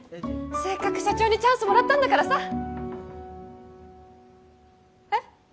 せっかく社長にチャンスもらったんだからさえっ？